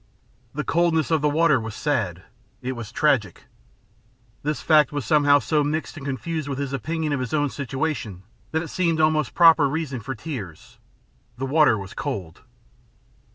The coldness of the water was sad; it was tragic. This fact was somehow so mixed and confused with his opinion of his own situation that it seemed almost a proper reason for tears. The water was cold.